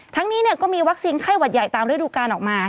นี้ก็มีวัคซีนไข้หวัดใหญ่ตามฤดูการออกมา